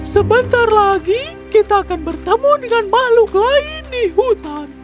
sebentar lagi kita akan bertemu dengan makhluk lain di hutan